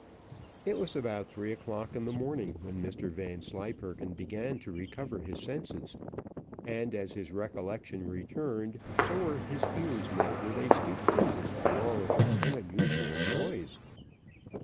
It was about three o'clock in the morning when Mr Vanslyperken began to recover his senses, and as his recollection returned, so were his ears met with a stupendous roaring and unusual noise.